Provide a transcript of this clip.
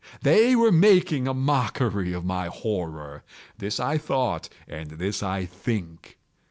—they were making a mockery of my horror!—this I thought, and this I think.